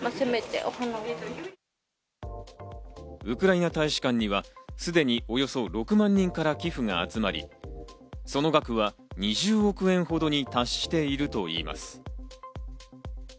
ウクライナ大使館にはすでにおよそ６万人から寄付が集まり、その額は２０億円ほどに達しているといいます。